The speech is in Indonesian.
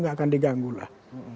gak akan diganggu lah